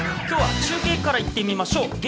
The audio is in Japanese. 今日は中継からいってみましょう。